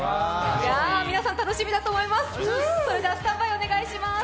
皆さん、楽しみだと思います。